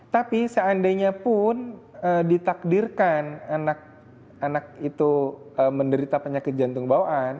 tapi seandainya pun ditakdirkan anak itu menderita penyakit jantung bawaan